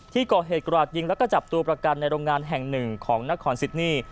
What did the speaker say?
ที่ก่อเหตุกราดยิงแล้วก็จับตัวประกันในโรงงานแห่งหนึ่งของนครซิดนี่